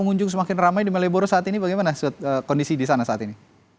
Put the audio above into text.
pengunjung semakin ramai di malioboro saat ini bagaimana kondisi di sana saat ini